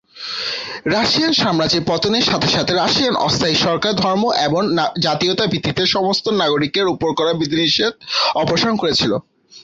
Russian সাম্রাজ্যের পতনের সাথে সাথে, রাশিয়ান অস্থায়ী সরকার ধর্ম এবং জাতীয়তার ভিত্তিতে সমস্ত নাগরিকের ওপর করা বিধিনিষেধ অপসারণ করেছিল।